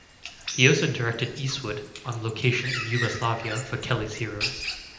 He also directed Eastwood on location in Yugoslavia for "Kelly's Heroes".